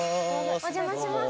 お邪魔しました。